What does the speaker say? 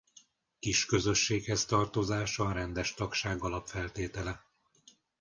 Kisközösséghez tartozás a rendes tagság alapfeltétele.